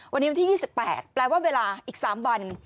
วันนี้วันที่๒๘แปลว่าเวลาอีก๓วัน